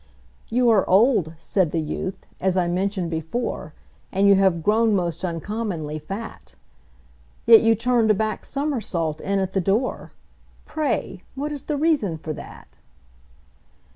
"You are old," said the youth, "as I mentioned before, And you have grown most uncommonly fat; Yet you turned a back somersault in at the door Pray what is the reason for that?"